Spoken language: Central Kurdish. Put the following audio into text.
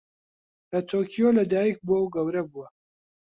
لە تۆکیۆ لەدایکبووە و گەورە بووە.